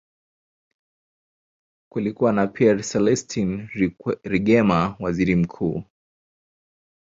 Kulikuwa na Pierre Celestin Rwigema, waziri mkuu.